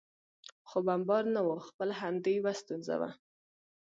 خو بمبار نه و، خپله همدې یو ستونزه وه.